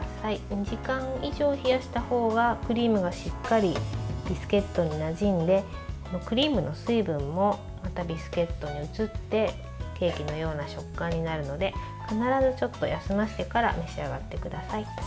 ２時間以上、冷やしたほうがクリームがしっかりビスケットになじんでクリームの水分もまたビスケットに移ってケーキのような食感になるので必ずちょっと休ませてから召し上がってください。